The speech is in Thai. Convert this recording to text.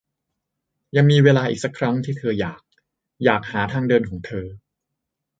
ยังมีเวลาอีกสักครั้งที่เธออยาก อยากหาทางเดินของเธอ